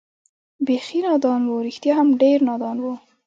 بېخي نادان و، رښتیا هم ډېر نادان و.